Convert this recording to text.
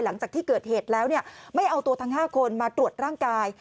หลังจากที่เกิดเหตุแล้วไม่เอาตัวทั้ง๕คนมาตรวจร่างกาย